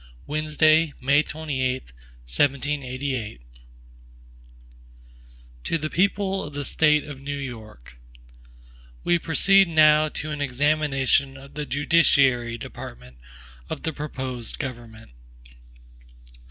Wednesday, May 28, 1788 HAMILTON To the People of the State of New York: WE PROCEED now to an examination of the judiciary department of the proposed government.